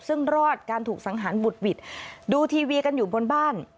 ซึ่งรอดการถูกสังหารบุดหวิดดูทีวีกันอยู่บนบ้าน